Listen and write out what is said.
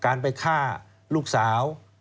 การไปฆ่าลูกสาว